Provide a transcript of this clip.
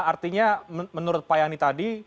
artinya menurut pak yani tadi